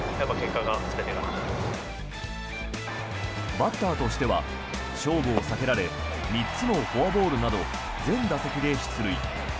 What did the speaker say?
バッターとしては勝負を避けられ３つのフォアボールなど全打席で出塁。